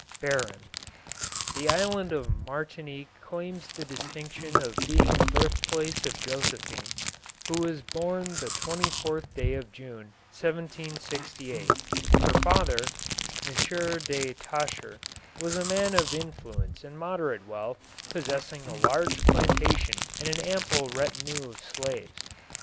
— BTBOX. THE island of Martinique claims the distinction of being the birth place of Josephine, who was born the 24th day of June, 1763. Her father, M. de Tascher, was a man of influence and moderate wealth, possess ing a large plantation and an ample retinue of slaves.